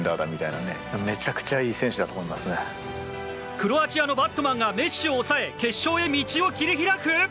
クロアチアのバットマンがメッシを抑え決勝の道を切り開く？